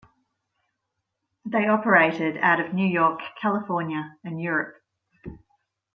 They operated out of New York, California and Europe.